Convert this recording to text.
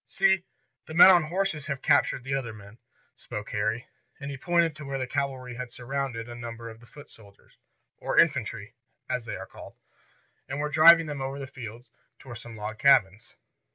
"See, the men on horses have captured the other men," spoke Harry. And he pointed to where the cavalry had surrounded a number of the foot soldiers, or infantry, as they are called, and were driving them over the fields toward some log cabins.